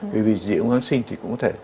vì vì dị ứng kháng sinh thì cũng có thể